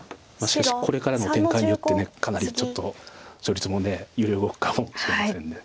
しかしこれからの展開によってかなりちょっと勝率も揺れ動くかもしれません。